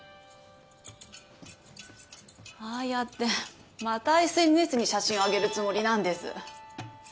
ああやってまたＳＮＳに写真を上げるつもりなんです。